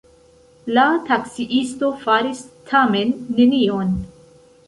La taksiisto faris tamen nenion.